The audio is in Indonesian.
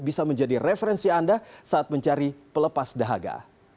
bisa menjadi referensi anda saat mencari pelepas dahaga